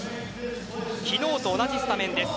昨日と同じスタメンです。